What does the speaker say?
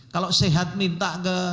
kalau sehat minta ke rumah sakit juga aneh